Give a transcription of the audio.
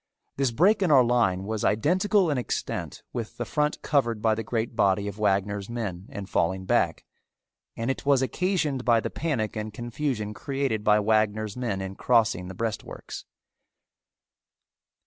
This break in our line was identical in extent with the front covered by the great body of Wagner's men in falling back, and it was occasioned by the panic and confusion created by Wagner's men in crossing the breastworks.